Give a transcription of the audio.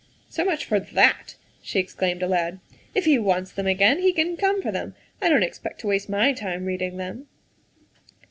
" So much for that," she exclaimed aloud. " If he wants them again, he can come for them. I don 't expect to waste my time reading them."